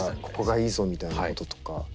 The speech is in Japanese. ここがいいぞみたいなこととか。